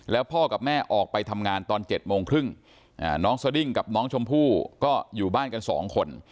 แล้วพ่อกับแม่ออกไปทำงานตอน๗โมงครึ่งน้องสดิ้งกับน้องชมพู่ก็อยู่บ้านกัน๒คน